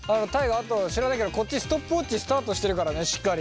あと知らないけどこっちストップウォッチスタートしてるからねしっかり。